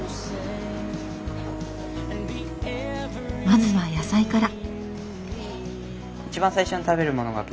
まずは野菜から。